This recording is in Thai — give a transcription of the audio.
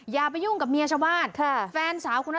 อย่าไปยุ่งกับเมียชาวบ้านแฟนสาวคุณนัทธาวุธ